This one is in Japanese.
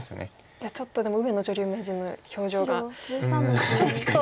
いやちょっとでも上野女流名人の表情がちょっと。